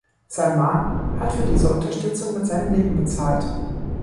Salmaan hat für diese Unterstützung mit seinem Leben bezahlt.